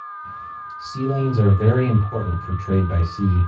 Sea lanes are very important for trade by sea.